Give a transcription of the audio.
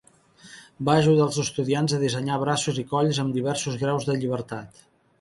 Va ajudar els estudiants a dissenyar braços i colls amb diversos graus de llibertat.